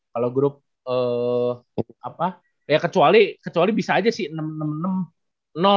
kalau grup kecuali bisa aja sih